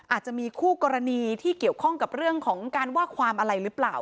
อาจจะมีคู่กรณีที่เกี่ยวข้องกับเรื่องของการว่าความอะไรหรือเปล่า